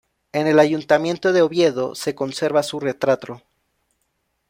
En el Ayuntamiento de Oviedo se conserva su retrato.